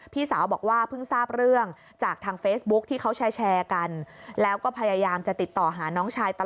พี่สาวบอกว่าเพิ่งทราบเรื่องจากทางเฟซบุ๊กที่เขาแชร์กัน